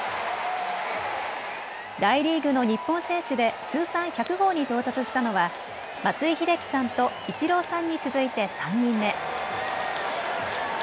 大リーグの日本選手で通算１００号に到達したのは松井秀喜さんとイチローさんに続いて３人目。